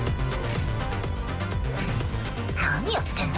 何やってんだ？